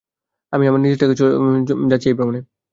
আমি আমার নিজের টাকায় যাচ্ছি এই ভ্রমনে।